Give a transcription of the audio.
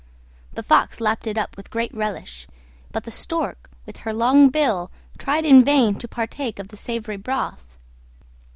The Fox lapped it up with great relish, but the Stork with her long bill tried in vain to partake of the savoury broth.